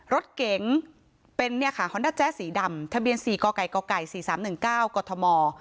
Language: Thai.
รถเก๋งเป็นเนี่ยค่ะฮอนด้าแจ๊สีดำทะเบียนสี่กไก่กไก่สี่สามหนึ่งเก้ากฎธมอร์